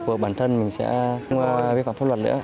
của bản thân mình sẽ không vi phạm pháp luật nữa